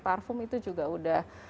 parfum itu juga udah